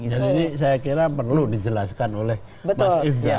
jadi ini saya kira perlu dijelaskan oleh mas ifdal